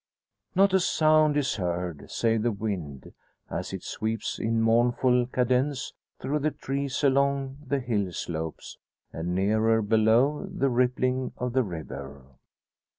Not a sound is heard save the wind, as it sweeps in mournful cadence through the trees along the hill slopes, and nearer below, the rippling of the river.